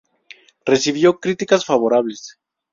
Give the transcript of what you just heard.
Recibió críticas favorables.